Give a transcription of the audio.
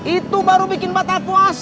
itu baru bikin batal puasa